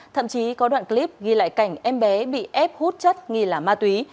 thậm chí có đoạn clip ghi lại cảnh em bé bị ép hút chất nghi là ma túy